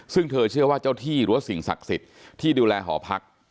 ซึ่งเธอเชื่อว่าเจ้าที่หรือว่าสิ่งศักดิ์สิทธิ์ที่ดูแลหอพัก